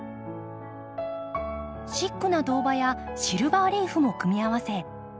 シックな銅葉やシルバーリーフも組み合わせ